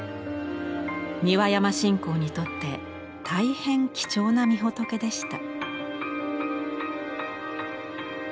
三輪山信仰にとって大変貴重なみほとけでした。